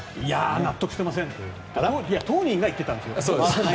納得していませんと当人が言ってたんですよ。